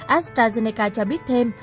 astrazeneca cho biết thêm